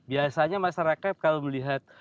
biasanya masyarakat kalau melihat